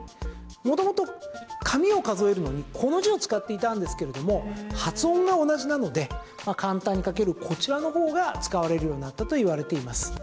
元々、紙を数えるのにこの字を使っていたんですけども発音が同じなので簡単に書けるこちらのほうが使われるようになったといわれています。